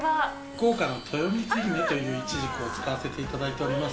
福岡のとよみつひめといういちじくを使わせていただいております。